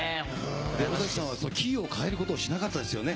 尾崎さんはキーを変えることをしなかったですよね。